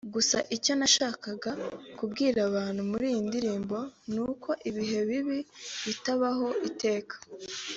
Gusa icyo nashakaga kubwira abantu muri iyi ndirimbo ni uko ibihe bibi bitabaho iteka